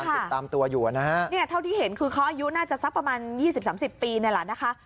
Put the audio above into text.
ติดตามตัวอยู่นะฮะเนี่ยเท่าที่เห็นคือเขาอายุน่าจะสักประมาณยี่สิบสามสิบปีนี่แหละนะคะ